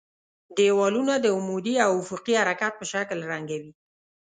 دېوالونه د عمودي او افقي حرکت په شکل رنګوي.